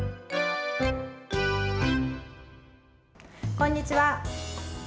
こんにちは。